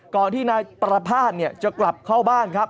ก่อนที่นายประภาษณ์จะกลับเข้าบ้านครับ